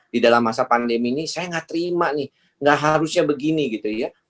di dalam masa pandemi ini saya nggak terima nih gak harusnya begini gitu ya